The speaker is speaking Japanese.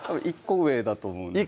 １個上だと思うんです